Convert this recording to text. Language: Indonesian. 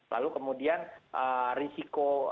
lalu kemudian risiko